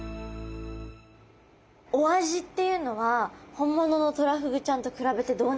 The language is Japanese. お味っていうのは本物のトラフグちゃんと比べてどうなんですか？